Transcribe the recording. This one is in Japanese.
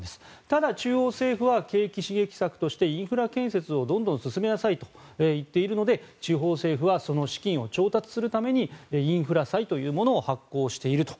ただ中央政府は景気刺激策としてインフラ建設をどんどん進めなさいと言っているので、地方政府はその資金を調達するためにインフラ債というものを発行していると。